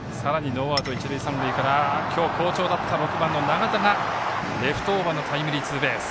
ノーアウト、一塁三塁から今日、好調だった６番の長田がレフトオーバーへのタイムリーツーベース。